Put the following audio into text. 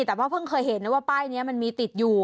แต่ว่าเพิ่งเคยเห็นนะว่าป้ายนี้มันมีติดอยู่